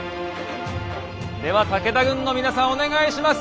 では武田軍の皆さんお願いします。